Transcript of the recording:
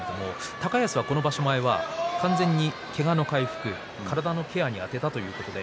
高安はこの場所は完全にけがの回復体のケアに充てたということです。